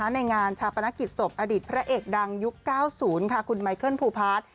ในงานชาปนกิจศพอดีตพระเอกดังยุค๙๐คุณไมเคิลภูพาร์ท